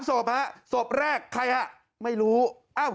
๓ศพศพแรกใครฮะ